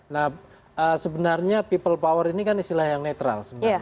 nah sebenarnya people power ini kan istilah yang netral sebenarnya